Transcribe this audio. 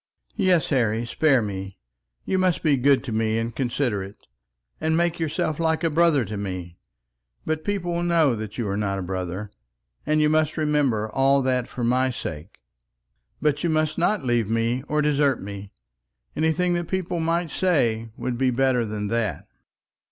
"Yes, Harry, spare me; you must be good to me and considerate, and make yourself like a brother to me. But people will know you are not a brother, and you must remember all that, for my sake. But you must not leave me or desert me. Anything that people might say would be better than that."